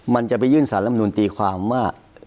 มันจะไปยื่นสารลำนูนตีความว่า